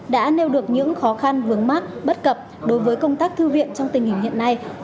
đã nêu được những khó khăn vướng mắt bất cập đối với công tác thư viện trong tình hình hiện nay